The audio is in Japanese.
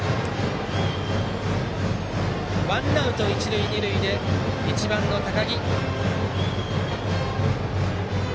ワンアウト、一塁二塁でバッターは１番の高木。